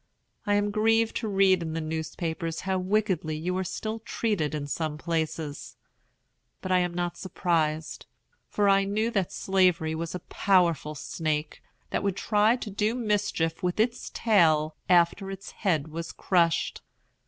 I am grieved to read in the newspapers how wickedly you are still treated in some places; but I am not surprised, for I knew that Slavery was a powerful snake, that would try to do mischief with its tail after its head was crushed.